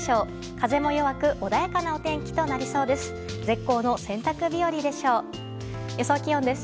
風も弱く穏やかなお天気となりそうです。